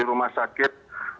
di rumah sakit